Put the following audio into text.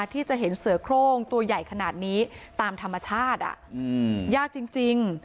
ที่จะเห็นเสือโครงตัวใหญ่ขนาดนี้ตามธรรมชาติยากจริง